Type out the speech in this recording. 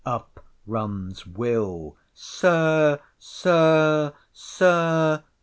Up runs Will.—Sir—Sir—Sir!